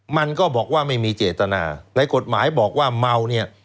มันก็บอกว่าไม่มีเจตนาในกฎหมายบอกว่าเมาเนี่ย